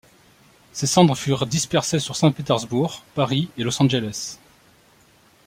Ses cendres furent dispersées sur Saint Petersbourg, Paris et Los Angeles.